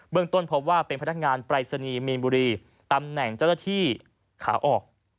ต้นพบว่าเป็นพนักงานปรายศนีย์มีนบุรีตำแหน่งเจ้าหน้าที่ขาออก